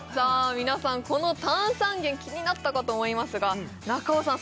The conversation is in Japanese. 皆さんこの炭酸源気になったかと思いますが中尾さん